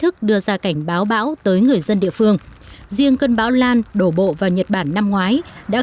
thức đưa ra cảnh báo bão tới người dân địa phương riêng cơn bão lan đổ bộ vào nhật bản năm ngoái đã